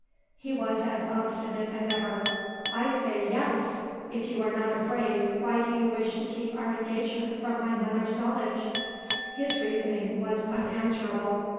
He was as obstinate as ever. "I say, Yes! If you're not afraid, why do you wish to keep our engagement from my mother's knowledge?" His reasoning was unanswerable.